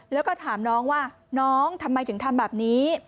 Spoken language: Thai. แล้วก็ถามน้องว่าน้องทำไมถึงทำแบบนี้